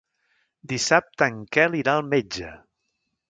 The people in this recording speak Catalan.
Dissabte en Quel irà al metge.